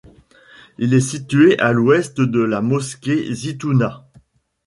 Il est situé à l'ouest de la mosquée Zitouna.